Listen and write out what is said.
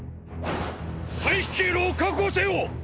退避経路を確保せよ！！